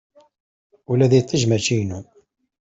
Ula d iṭij-a mačči inu.